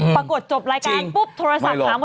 ปรากฏจบรายการปุ๊บโทรศัพท์ขาวมดดำเลย